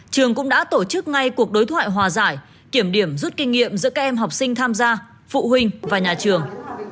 trường cũng đã tổ chức ngay cuộc đối thoại hòa giải kiểm điểm rút kinh nghiệm giữa các em học sinh tham gia phụ huynh và nhà trường